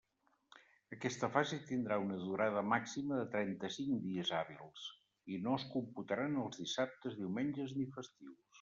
Aquesta fase tindrà una durada màxima de trenta-cinc dies hàbils, i no es computaran els dissabtes, diumenges ni festius.